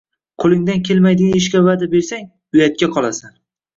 Qo’lingdan kelmaydigan ishga va’da bersang, uyatga qolasan.